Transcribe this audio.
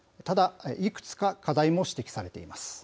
ただ、いくつか課題も指摘されています。